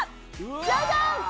ジャジャン！